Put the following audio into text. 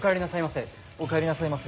お帰りなさいませ。